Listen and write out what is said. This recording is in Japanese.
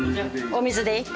お水でいい？